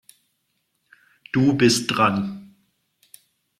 Du bist dran.